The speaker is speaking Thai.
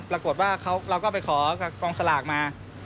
ปรากฏว่าเราก็ไปขอกองสลากมา